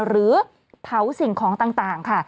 หรือเผาสิ่งของต่างค่ะ